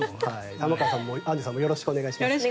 玉川さんもアンジュさんもよろしくお願いします。